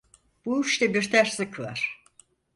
Bu işte bir terslik var.